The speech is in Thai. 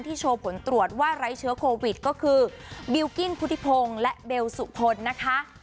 โชว์ผลตรวจว่าไร้เชื้อโควิดก็คือบิลกิ้นพุทธิพงศ์และเบลสุพลนะคะ